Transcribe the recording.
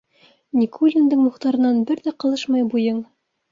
Никулиндың Мухтарынан бер ҙә ҡалышмай буйың.